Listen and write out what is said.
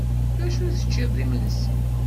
D acu teččiḍ d imensi?